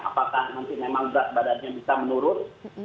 apakah nanti memang berat badannya bisa menurun